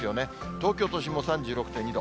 東京都心も３６．２度。